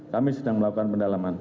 kami sedang melakukan pendalaman